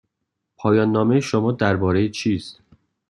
پایان نامه شما درباره چیست؟